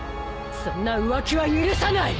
そんな浮気は許さない！